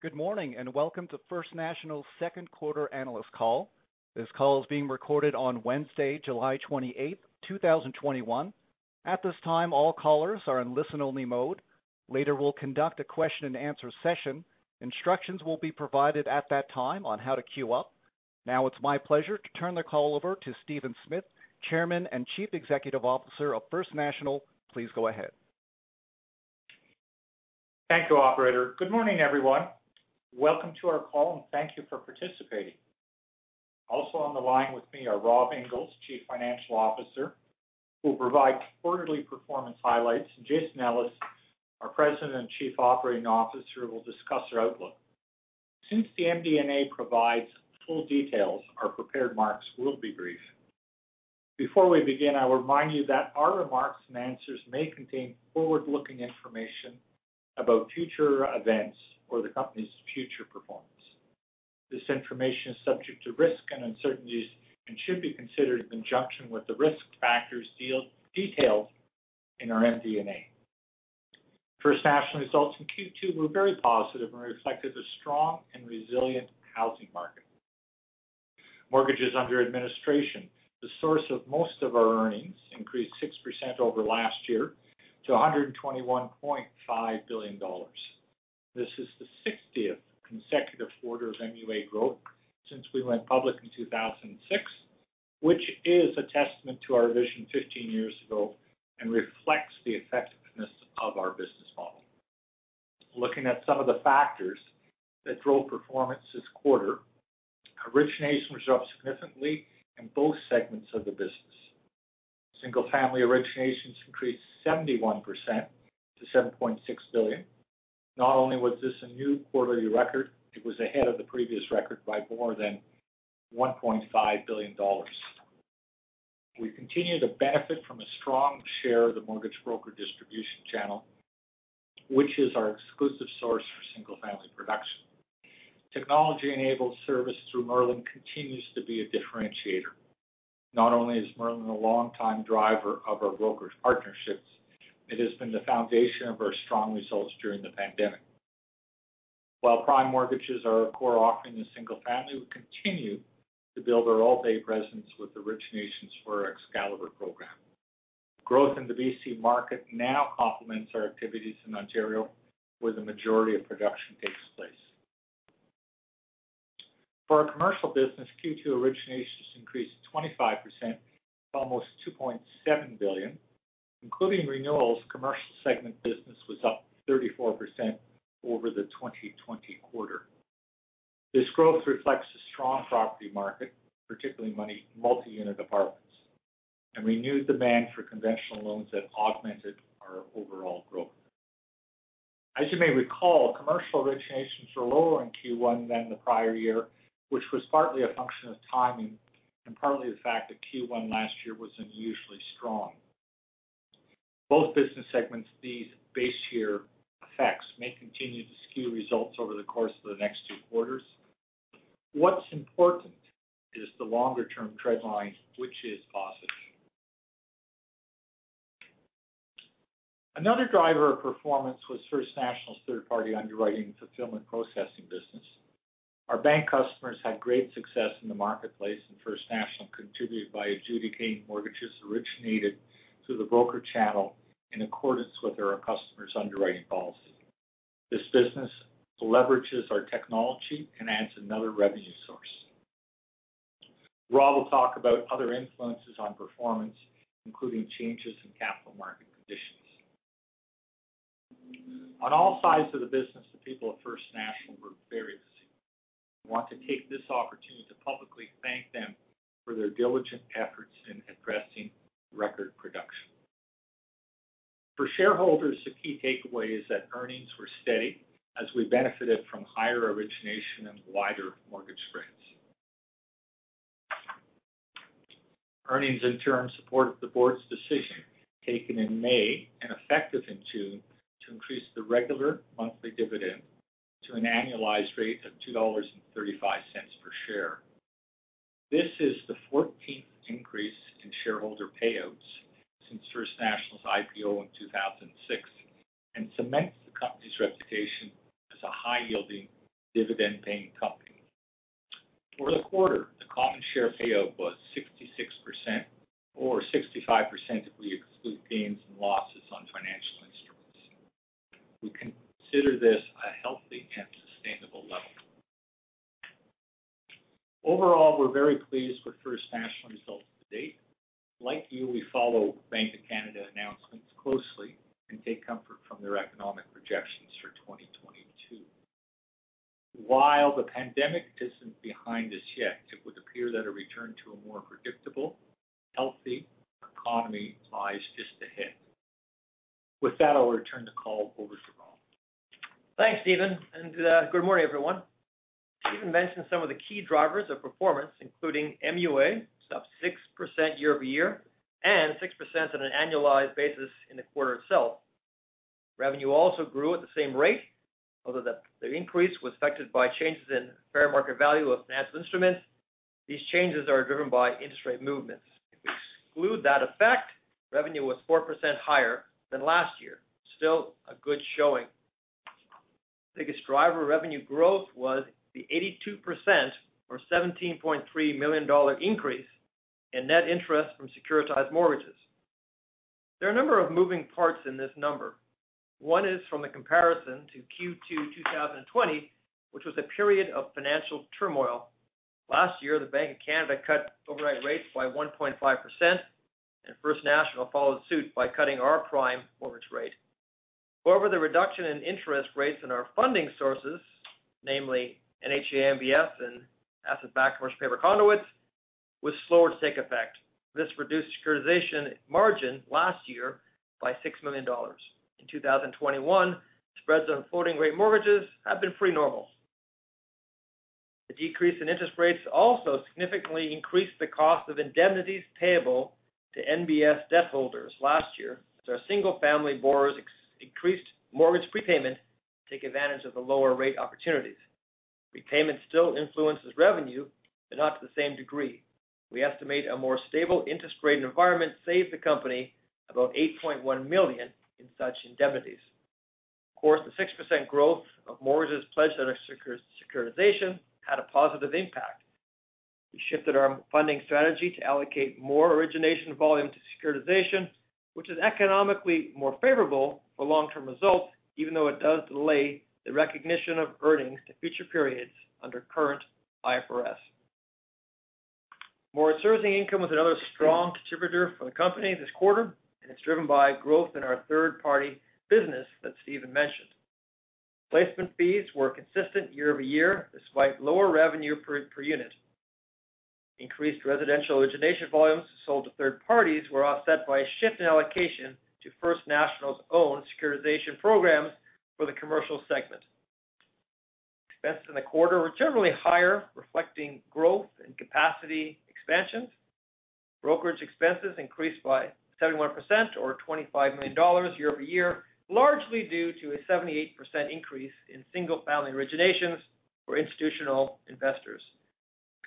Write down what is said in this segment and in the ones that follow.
Good morning, and welcome to First National's second quarter analyst call. This call is being recorded on Wednesday, July 28, 2021. At this time, all callers are in listen-only mode. Later, we'll conduct a question and answer session. Instructions will be provided at that time on how to queue up. Now it's my pleasure to turn the call over to Stephen Smith, Chairman and Chief Executive Officer of First National. Please go ahead. Thank you, operator. Good morning, everyone. Welcome to our call, and thank you for participating. Also on the line with me are Rob Inglis, Chief Financial Officer, who will provide quarterly performance highlights, and Jason Ellis, our President and Chief Operating Officer, who will discuss our outlook. Since the MD&A provides full details, our prepared remarks will be brief. Before we begin, I will remind you that our remarks and answers may contain forward-looking information about future events or the company's future performance. This information is subject to risks and uncertainties and should be considered in conjunction with the risk factors detailed in our MD&A. First National results in Q2 were very positive and reflected a strong and resilient housing market. Mortgages under administration, the source of most of our earnings, increased 6% over last year to 121.5 billion dollars. This is the 60th consecutive quarter of MUA growth since we went public in 2006, which is a testament to our vision 15 years ago and reflects the effectiveness of our business model. Looking at some of the factors that drove performance this quarter, originations were up significantly in both segments of the business. Single-family originations increased 71% to 7.6 billion. Not only was this a new quarterly record, it was ahead of the previous record by more than 1.5 billion dollars. We continue to benefit from a strong share of the mortgage broker distribution channel, which is our exclusive source for single-family production. Technology-enabled service through MERLIN continues to be a differentiator. Not only is MERLIN a long-time driver of our brokers partnerships, it has been the foundation of our strong results during the pandemic. While prime mortgages are a core offering in single family, we continue to build our Alt-A presence with originations for our Excalibur program. Growth in the B.C. market now complements our activities in Ontario, where the majority of production takes place. For our commercial business, Q2 originations increased 25% to almost 2.7 billion. Including renewals, commercial segment business was up 34% over the 2020 quarter. This growth reflects a strong property market, particularly multi-unit apartments, and renewed demand for conventional loans that augmented our overall growth. As you may recall, commercial originations were lower in Q1 than the prior year, which was partly a function of timing and partly the fact that Q1 last year was unusually strong. Both business segments these base year effects may continue to skew results over the course of the next two quarters. What's important is the longer-term trend line, which is positive. Another driver of performance was First National's third-party underwriting fulfillment processing business. Our bank customers had great success in the marketplace, and First National contributed by adjudicating mortgages originated through the broker channel in accordance with our customers' underwriting policy. This business leverages our technology and adds another revenue source. Rob will talk about other influences on performance, including changes in capital market conditions. On all sides of the business, the people at First National were very busy. I want to take this opportunity to publicly thank them for their diligent efforts in addressing record production. For shareholders, the key takeaway is that earnings were steady as we benefited from higher origination and wider mortgage spreads. Earnings in turn support the board's decision, taken in May and effective in June, to increase the regular monthly dividend to an annualized rate of 2.35 dollars per share. This is the 14th increase in shareholder payouts since First National's IPO in 2006 and cements the company's reputation as a high-yielding dividend-paying company. For the quarter, the common share payout was 66%, or 65% if we exclude gains and losses on financial instruments. We consider this a healthy and sustainable level. Overall, we're very pleased with First National results to date. Like you, we follow Bank of Canada announcements closely and take comfort from their economic projections for 2022. While the pandemic isn't behind us yet, it would appear that a return to a more predictable, healthy economy lies just ahead. With that, I'll return the call over to Rob. Thanks, Stephen, and good morning, everyone. Stephen mentioned some of the key drivers of performance, including MUA, which is up 6% year-over-year and 6% on an annualized basis in the quarter itself. Revenue also grew at the same rate, although the increase was affected by changes in fair market value of financial instruments. These changes are driven by interest rate movements. Exclude that effect, revenue was 4% higher than last year. Still a good showing. Biggest driver of revenue growth was the 82%, or 17.3 million dollar increase in net interest from securitized mortgages. There are a number of moving parts in this number. One is from the comparison to Q2 2020, which was a period of financial turmoil. Last year, the Bank of Canada cut overnight rates by 1.5%. First National followed suit by cutting our prime mortgage rate. However, the reduction in interest rates in our funding sources, namely NHA MBS and asset-backed commercial paper conduits, was slower to take effect. This reduced securitization margin last year by 6 million dollars. In 2021, spreads on floating rate mortgages have been pretty normal. The decrease in interest rates also significantly increased the cost of indemnities payable to NHA MBS debt holders last year, as our single-family borrowers increased mortgage prepayment to take advantage of the lower rate opportunities. Repayment still influences revenue, but not to the same degree. We estimate a more stable interest rate environment saved the company about 8.1 million in such indemnities. Of course, the 6% growth of mortgages pledged under securitization had a positive impact. We shifted our funding strategy to allocate more origination volume to securitization, which is economically more favorable for long-term results, even though it does delay the recognition of earnings to future periods under current IFRS. Mortgage servicing income was another strong contributor for the company this quarter, and it's driven by growth in our third-party business that Stephen mentioned. Placement fees were consistent year-over-year, despite lower revenue per unit. Increased residential origination volumes sold to third parties were offset by a shift in allocation to First National's own securitization programs for the commercial segment. Expenses in the quarter were generally higher, reflecting growth and capacity expansions. Brokerage expenses increased by 71% or 25 million dollars year-over-year, largely due to a 78% increase in single-family originations for institutional investors.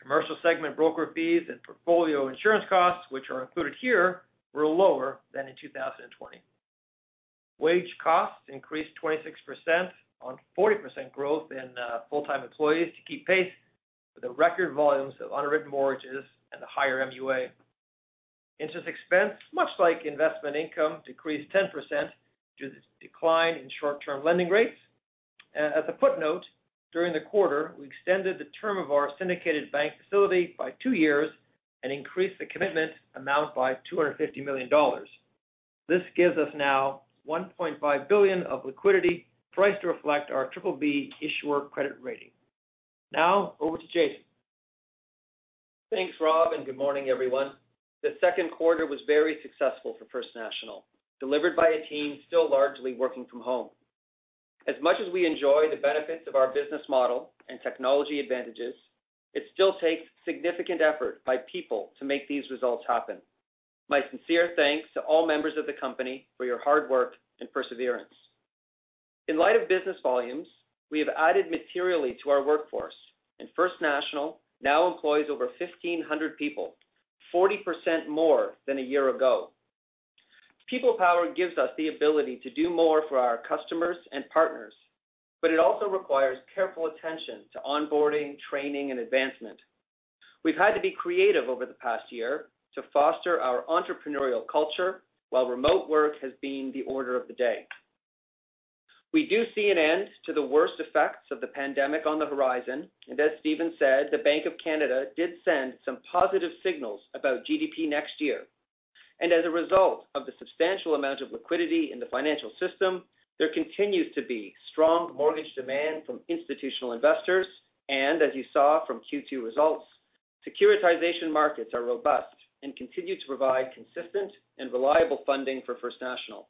Commercial segment broker fees and portfolio insurance costs, which are included here, were lower than in 2020. Wage costs increased 26% on 40% growth in full-time employees to keep pace with the record volumes of underwritten mortgages and the higher MUA. Interest expense, much like investment income, decreased 10% due to the decline in short-term lending rates. As a footnote, during the quarter, we extended the term of our syndicated bank facility by two years and increased the commitment amount by 250 million dollars. This gives us 1.5 billion of liquidity priced to reflect our BBB issuer credit rating. Over to Jason. Thanks, Rob. Good morning, everyone. The second quarter was very successful for First National, delivered by a team still largely working from home. As much as we enjoy the benefits of our business model and technology advantages, it still takes significant effort by people to make these results happen. My sincere thanks to all members of the company for your hard work and perseverance. In light of business volumes, we have added materially to our workforce. First National now employs over 1,500 people, 40% more than a year ago. People power gives us the ability to do more for our customers and partners. It also requires careful attention to onboarding, training, and advancement. We've had to be creative over the past year to foster our entrepreneurial culture while remote work has been the order of the day. We do see an end to the worst effects of the pandemic on the horizon. As Stephen said, the Bank of Canada did send some positive signals about GDP next year. As a result of the substantial amount of liquidity in the financial system, there continues to be strong mortgage demand from institutional investors, and as you saw from Q2 results, securitization markets are robust and continue to provide consistent and reliable funding for First National.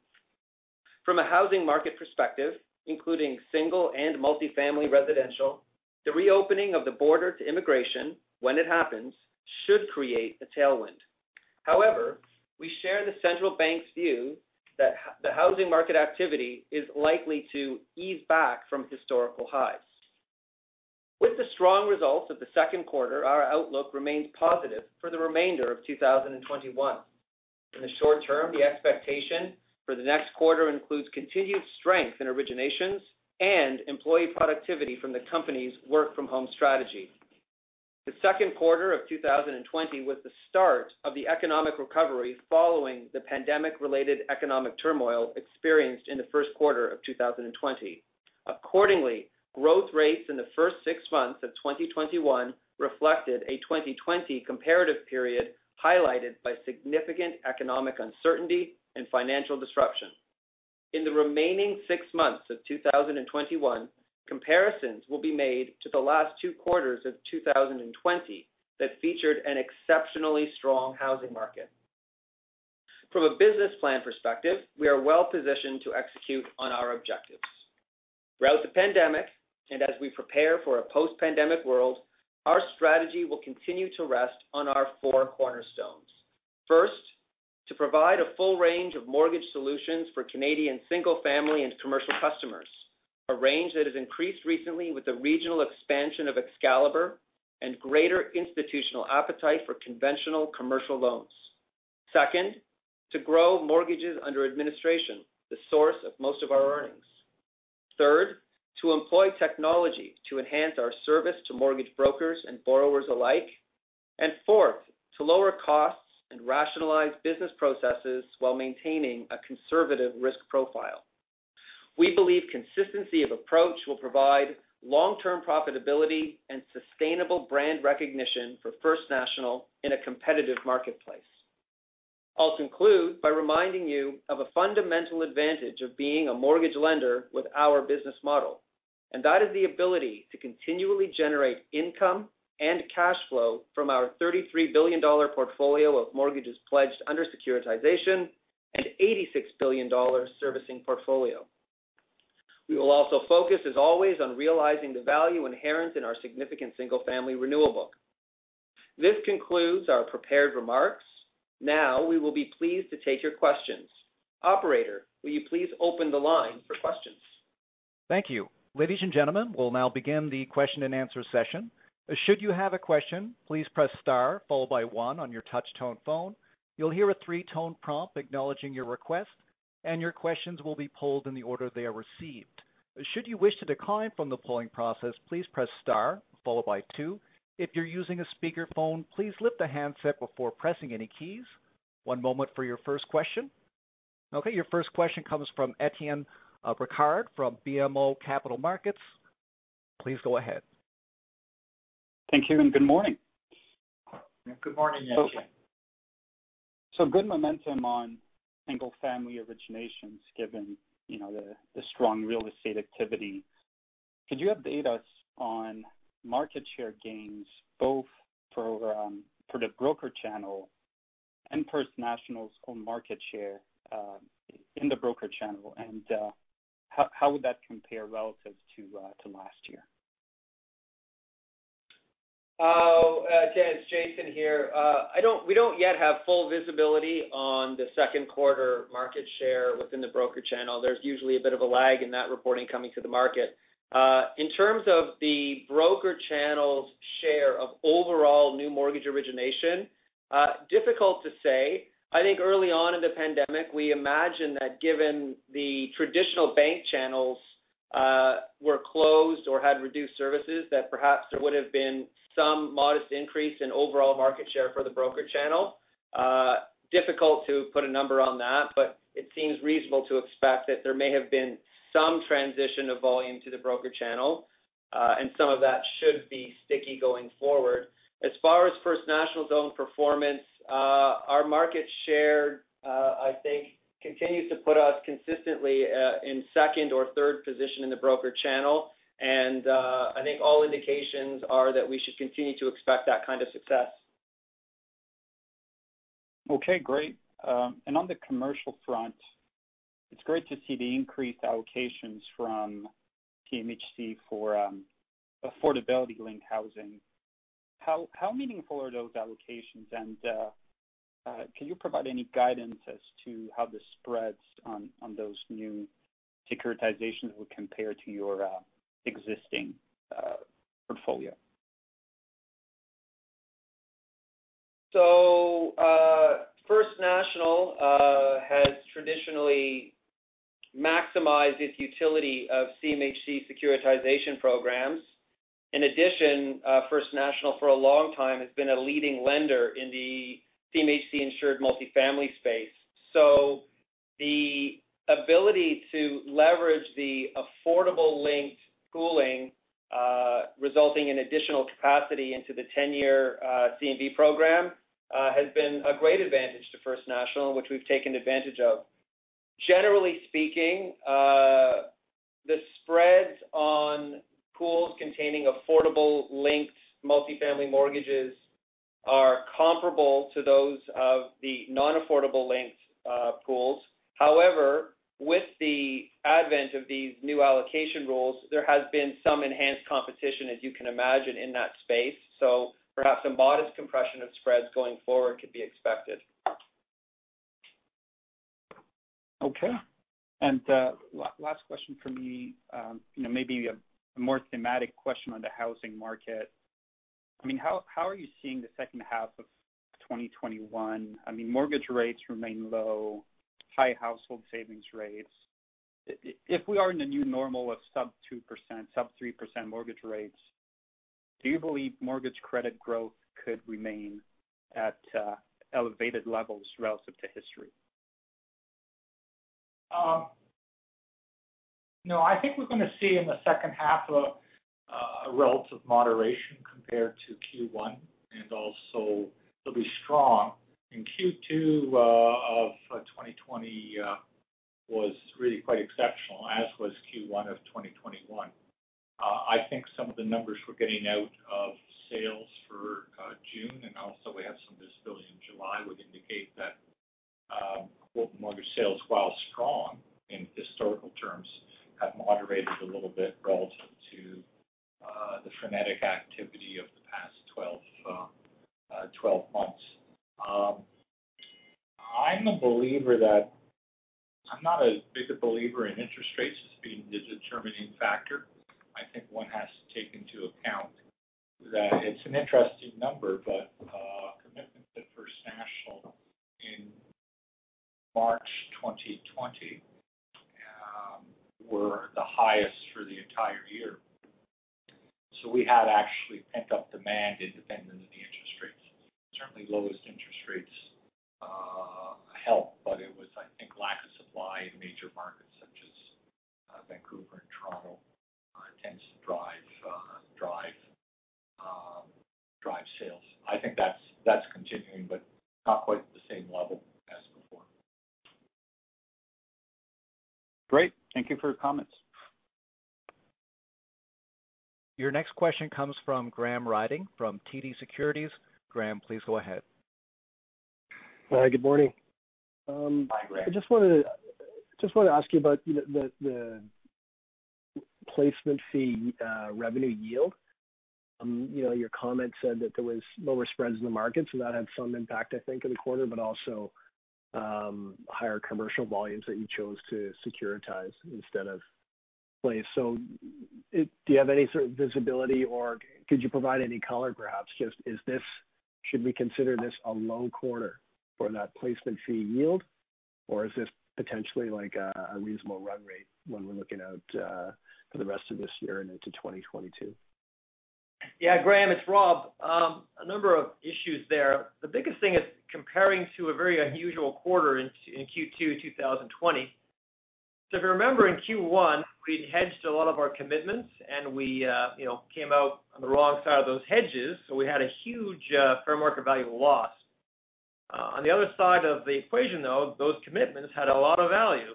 From a housing market perspective, including single and multi-family residential, the reopening of the border to immigration, when it happens, should create a tailwind. However, we share the central bank's view that the housing market activity is likely to ease back from historical highs. With the strong results of the second quarter, our outlook remains positive for the remainder of 2021. In the short term, the expectation for the next quarter includes continued strength in originations and employee productivity from the company's work-from-home strategy. The second quarter of 2020 was the start of the economic recovery following the pandemic-related economic turmoil experienced in the first quarter of 2020. Accordingly, growth rates in the first six months of 2021 reflected a 2020 comparative period highlighted by significant economic uncertainty and financial disruption. In the remaining six months of 2021, comparisons will be made to the last two quarters of 2020 that featured an exceptionally strong housing market. From a business plan perspective, we are well-positioned to execute on our objectives. Throughout the pandemic, and as we prepare for a post-pandemic world, our strategy will continue to rest on our four cornerstones. First, to provide a full range of mortgage solutions for Canadian single-family and commercial customers. A range that has increased recently with the regional expansion of Excalibur and greater institutional appetite for conventional commercial loans. Second, to grow mortgages under administration, the source of most of our earnings. Third, to employ technology to enhance our service to mortgage brokers and borrowers alike. Fourth, to lower costs and rationalize business processes while maintaining a conservative risk profile. We believe consistency of approach will provide long-term profitability and sustainable brand recognition for First National in a competitive marketplace. I'll conclude by reminding you of a fundamental advantage of being a mortgage lender with our business model, and that is the ability to continually generate income and cash flow from our 33 billion dollar portfolio of mortgages pledged under securitization and 86 billion dollar servicing portfolio. We will also focus, as always, on realizing the value inherent in our significant single-family renewal book. This concludes our prepared remarks. Now, we will be pleased to take your questions. Operator, will you please open the line for questions? Thank you. Ladies and gentlemen, we'll now begin the question and answer session. Okay, your first question comes from Étienne Ricard from BMO Capital Markets. Please go ahead. Thank you, and good morning. Good morning, Étienne. Good momentum on single-family originations given the strong real estate activity. Could you update us on market share gains, both for the broker channel and First National's own market share in the broker channel? How would that compare relative to last year? Étienne, it's Jason here. We don't yet have full visibility on the second quarter market share within the broker channel. There's usually a bit of a lag in that reporting coming to the market. In terms of the broker channel's share of overall new mortgage origination, difficult to say. I think early on in the pandemic, we imagined that given the traditional bank channels were closed or had reduced services, that perhaps there would've been some modest increase in overall market share for the broker channel. Difficult to put a number on that, but it seems reasonable to expect that there may have been some transition of volume to the broker channel, and some of that should be sticky going forward. As far as First National's own performance, our market share I think continues to put us consistently in second or third position in the broker channel. I think all indications are that we should continue to expect that kind of success. Okay, great. On the commercial front, it's great to see the increased allocations from CMHC for affordability linked housing. How meaningful are those allocations, and can you provide any guidance as to how the spreads on those new securitizations would compare to your existing portfolio? First National has traditionally maximized its utility of CMHC securitization programs. In addition, First National for a long time has been a leading lender in the CMHC insured multifamily space. The ability to leverage the affordable linked pooling resulting in additional capacity into the 10-year CMB program has been a great advantage to First National, and which we've taken advantage of. Generally speaking, the spreads on pools containing affordable linked multifamily mortgages are comparable to those of the non-affordable linked pools. However, with the advent of these new allocation rules, there has been some enhanced competition, as you can imagine, in that space. Perhaps some modest compression of spreads going forward could be expected. Okay. Last question from me. Maybe a more thematic question on the housing market. How are you seeing the second half of 2021? Mortgage rates remain low, high household savings rates. If we are in the new normal of sub 2%, sub 3% mortgage rates, do you believe mortgage credit growth could remain at elevated levels relative to history? No, I think we're going to see in the second half a relative moderation compared to Q1 and also it'll be strong. In Q2 of 2020 was really quite exceptional, as was Q1 of 2021. I think some of the numbers we're getting out of sales for June and also we have some visibility in July would indicate that mortgage sales, while strong in historical terms, have moderated a little bit relative to the frenetic activity of the past 12 months. I'm a believer that I'm not as big a believer in interest rates as being the determining factor. I think one has to take into account that it's an interesting number, but commitments at First National in March 2020 were the highest for the entire year. We had actually pent-up demand independent of the interest rates. Certainly, lowest interest rates help, but it was, I think, lack of supply in major markets such as Vancouver and Toronto tends to drive sales. I think that's continuing, but not quite at the same level as before. Great. Thank you for your comments. Your next question comes from Graham Ryding from TD Securities. Graham, please go ahead. Hi, good morning. Hi, Graham. I just wanted to ask you about the placement fee revenue yield. Your comment said that there was lower spreads in the market, so that had some impact, I think, in the quarter, but also higher commercial volumes that you chose to securitize instead of place. Do you have any sort of visibility, or could you provide any color, perhaps? Should we consider this a low quarter for that placement fee yield, or is this potentially a reasonable run rate when we're looking out for the rest of this year and into 2022? Yeah, Graham, it's Rob. A number of issues there. The biggest thing is comparing to a very unusual quarter in Q2 2020. If you remember in Q1, we'd hedged a lot of our commitments, and we came out on the wrong side of those hedges. We had a huge fair market value loss. On the other side of the equation, though, those commitments had a lot of value.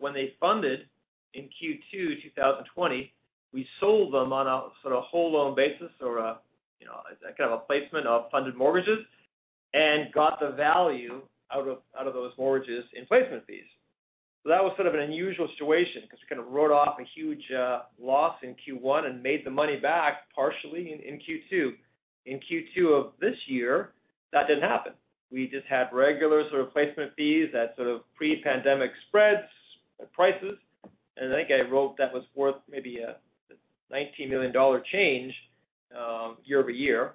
When they funded in Q2 2020, we sold them on a whole loan basis or kind of a placement of funded mortgages and got the value out of those mortgages in placement fees. That was sort of an unusual situation because we kind of wrote off a huge loss in Q1 and made the money back partially in Q2. In Q2 of this year, that didn't happen. We just had regular sort of placement fees at sort of pre-pandemic spreads, prices. I think I wrote that was worth maybe a 19 million dollar change year-over-year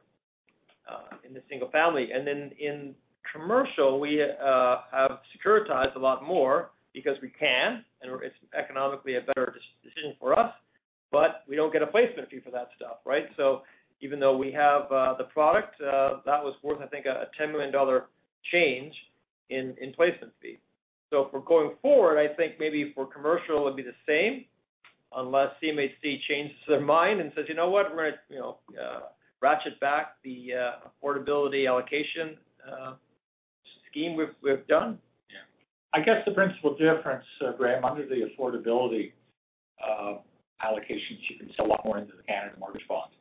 in the single family. Then in commercial, we have securitized a lot more because we can, and it's economically a better decision for us, but we don't get a placement fee for that stuff. Right? Even though we have the product, that was worth, I think, a 10 million dollar change in placement fee. For going forward, I think maybe for commercial it would be the same unless CMHC changes their mind and says, "You know what? We're going to ratchet back the affordability allocation scheme we've done. Yeah. I guess the principal difference, Graham, under the affordability allocations, you can sell a lot more into the Canada Mortgage Bonds.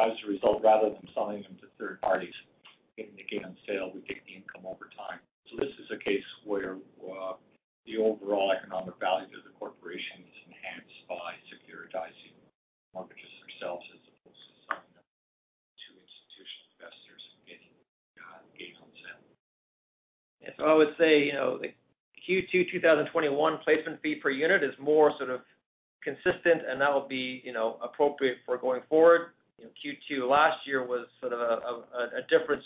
As a result, rather than selling them to third parties and getting the gain on sale, we get the income over time. This is a case where the overall economic value to the corporation is enhanced by securitizing mortgages ourselves as opposed to selling them to institutional investors and getting a gain on sale. I would say, the Q2 2021 placement fee per unit is more consistent, and that will be appropriate for going forward. Q2 last year was a different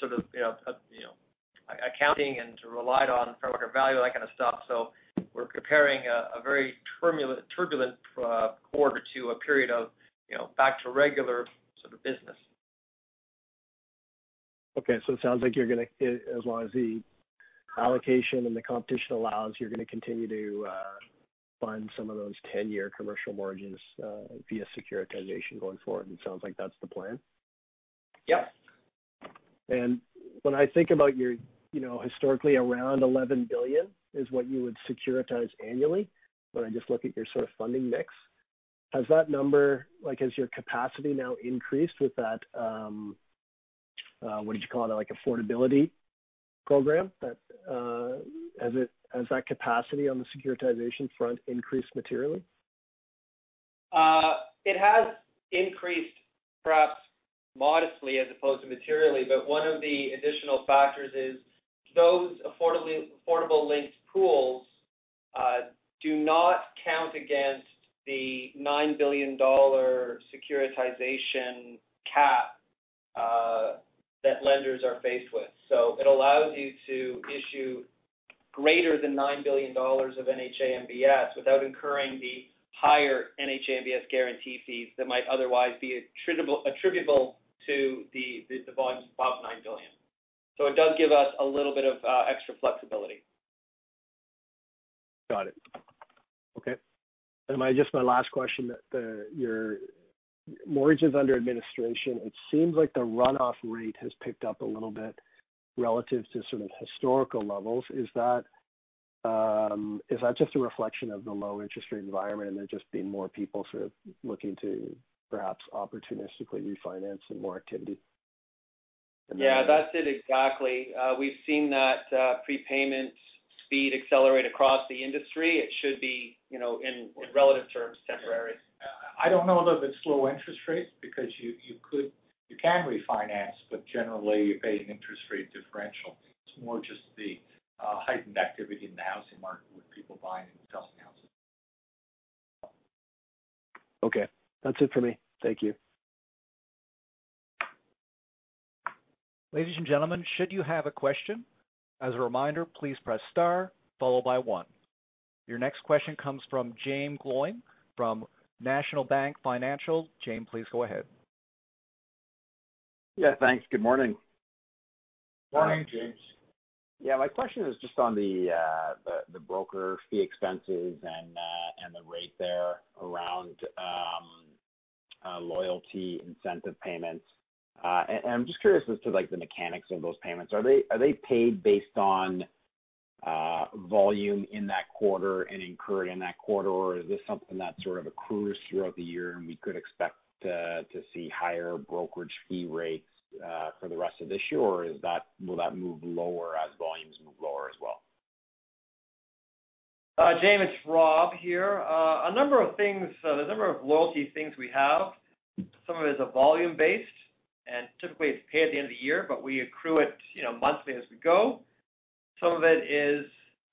accounting and relied on fair market value, that kind of stuff. We're comparing a very turbulent quarter to a period of back to regular business. Okay. It sounds like you're going to, as long as the allocation and the competition allows, you're going to continue to fund some of those 10-year commercial mortgages via securitization going forward. It sounds like that's the plan. Yep. When I think about your historically around 11 billion is what you would securitize annually when I just look at your funding mix. Has that number, has your capacity now increased with that, what did you call it, Affordability Program? Has that capacity on the securitization front increased materially? It has increased, perhaps modestly as opposed to materially, but one of the additional factors is those affordable linked pools do not count against the 9 billion dollar securitization cap that lenders are faced with. It allows you to issue greater than 9 billion dollars of NHA MBS without incurring the higher NHA MBS guarantee fees that might otherwise be attributable to the volumes above 9 billion. It does give us a little bit of extra flexibility. Got it. Okay. Just my last question, your mortgages under administration, it seems like the run-off rate has picked up a little bit relative to sort of historical levels. Is that just a reflection of the low interest rate environment and there just being more people sort of looking to perhaps opportunistically refinance and more activity? Yeah, that's it exactly. We've seen that prepayment Speed accelerate across the industry, it should be, in relative terms, temporary. I don't know that it's low interest rates, because you can refinance, but generally you pay an interest rate differential. It's more just the heightened activity in the housing market with people buying and selling houses. Okay. That's it for me. Thank you. Ladies and gentlemen, should you have a question, as a reminder, please press star, followed by one. Your next question comes from Jaeme Gloyn from National Bank Financial. Jaeme, please go ahead. Yeah, thanks. Good morning. Morning, Jaeme. Yeah. My question is just on the broker fee expenses and the rate there around loyalty incentive payments. I'm just curious as to the mechanics of those payments. Are they paid based on volume in that quarter and incurred in that quarter, or is this something that sort of accrues throughout the year and we could expect to see higher brokerage fee rates for the rest of this year, or will that move lower as volumes move lower as well? Jaeme, Rob here. A number of things. There's a number of loyalty things we have. Some of it is volume-based, and typically it's paid at the end of the year, but we accrue it monthly as we go. Some of it is,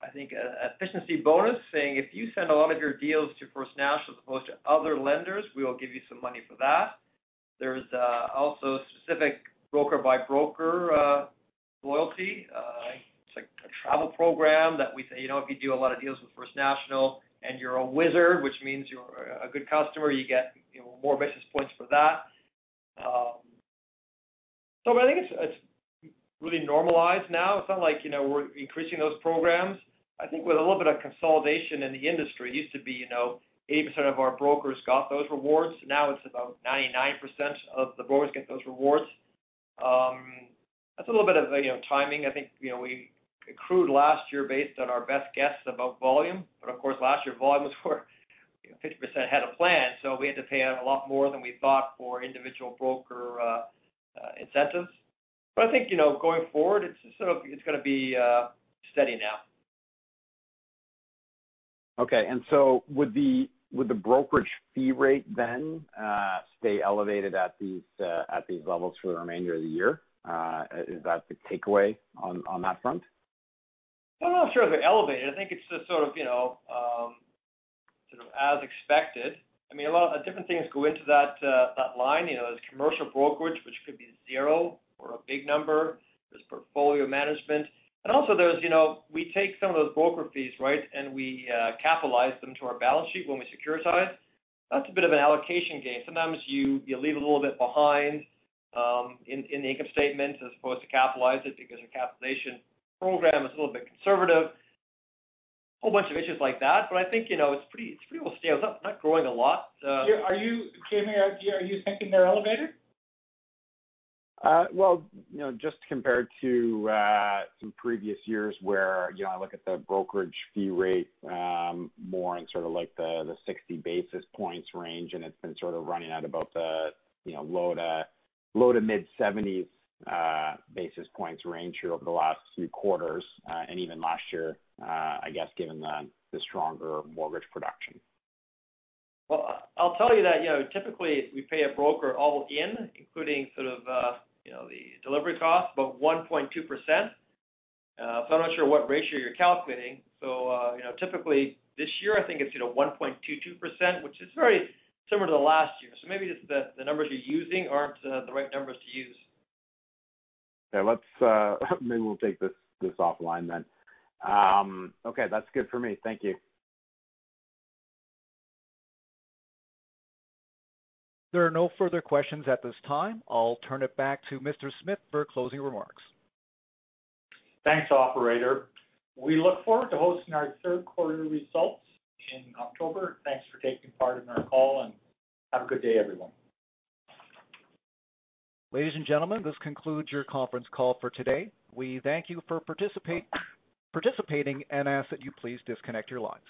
I think, an efficiency bonus, saying, if you send a lot of your deals to First National as opposed to other lenders, we will give you some money for that. There's also specific broker-by-broker loyalty. It's like a travel program that we say, if you do a lot of deals with First National and you're a wizard, which means you're a good customer, you get more basis points for that. I think it's really normalized now. It's not like we're increasing those programs. I think with a little bit of consolidation in the industry. It used to be 80% of our brokers got those rewards. Now it's about 99% of the brokers get those rewards. That's a little bit of timing. I think we accrued last year based on our best guess about volume. Of course, last year volume was where 50% had a plan, so we had to pay out a lot more than we thought for individual broker incentives. I think going forward, it's going to be steady now. Okay. Would the brokerage fee rate then stay elevated at these levels for the remainder of the year? Is that the takeaway on that front? I'm not sure if they're elevated. I think it's just sort of as expected. Different things go into that line. There's commercial brokerage, which could be zero or a big number. There's portfolio management. Also we take some of those broker fees, right, and we capitalize them to our balance sheet when we securitize. That's a bit of an allocation game. Sometimes you leave a little bit behind in the income statement as opposed to capitalize it because your capitalization program is a little bit conservative. Whole bunch of issues like that, I think it's pretty well scaled up, not growing a lot. Jaeme, are you thinking they're elevated? Well, just compared to some previous years where I look at the brokerage fee rate more in sort of the 60 basis points range, and it's been sort of running at about the low to mid-70s basis points range here over the last few quarters, and even last year I guess, given the stronger mortgage production. I'll tell you that typically we pay a broker all in, including sort of the delivery cost, about 1.2%. I'm not sure what ratio you're calculating. Typically this year, I think it's 1.22%, which is very similar to last year. Maybe just the numbers you're using aren't the right numbers to use. Yeah. Maybe we'll take this offline then. Okay, that's good for me. Thank you. There are no further questions at this time. I'll turn it back to Mr. Smith for closing remarks. Thanks, operator. We look forward to hosting our third quarter results in October. Thanks for taking part in our call, and have a good day, everyone. Ladies and gentlemen, this concludes your conference call for today. We thank you for participating and ask that you please disconnect your lines.